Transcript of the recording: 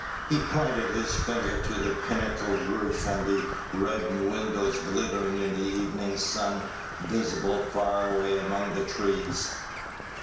He pointed with his finger to the pinnacled roof, and the reddened windows glittering in the evening sun, visible far away among the trees.